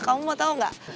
kamu mau tau gak